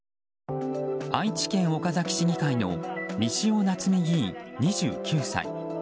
愛知県岡崎市議会の三塩菜摘議員、２９歳。